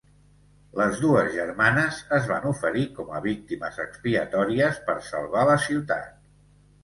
Les dues germanes es van oferir com a víctimes expiatòries per salvar la ciutat.